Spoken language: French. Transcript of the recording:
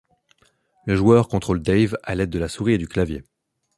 Le joueur contrôle Dave à l'aide de la souris et du clavier.